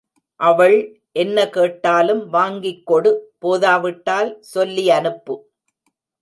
அவள் என்ன கேட்டாலும் வாங்கிக் கொடு போதாவிட்டால் சொல்லி அனுப்பு.